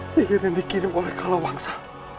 sihir yang dikirim oleh kala wangsa